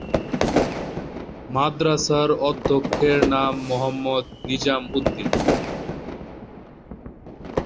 মাদ্রাসার অধ্যক্ষের নাম মোহাম্মদ নিজাম উদ্দীন।